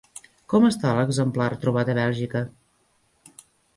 Com està l'exemplar trobat a Bèlgica?